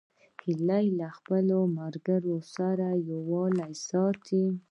هیلۍ له خپلو ملګرو سره یووالی ساتي